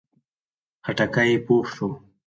خټکی پوخ شو.